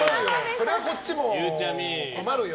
それはこっちも困るよ。